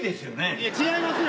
いや違いますよ。